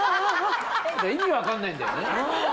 意味分かんないんだよね。